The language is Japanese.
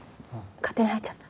勝手に入っちゃった。